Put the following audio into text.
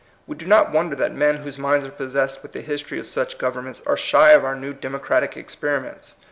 We do not wonder that men whose minds are possessed with the history of such governments are shy of our new demo cratic experiments.